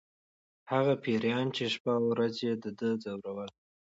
هغه پیریان چې شپه او ورځ یې د ده ځورول